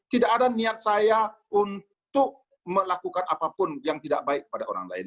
tidak ada niat saya untuk melakukan apapun yang tidak baik pada orang lain